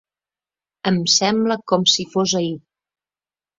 Em sembla com si fos ahir.